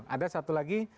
ada satu lagi